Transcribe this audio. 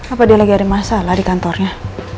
apa dia lagi ada masalah di kantornya